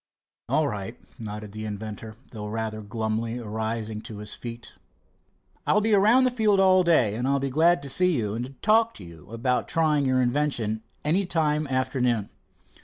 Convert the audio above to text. "All right," nodded the inventor, though rather glumly, arising to his feet. "I'll be around the field all day, and be glad to see you and talk to you about trying your invention any time after noon."